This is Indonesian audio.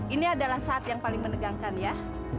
ini adalah saat yang paling menegangkan ya